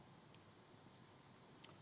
untuk berjuang bersama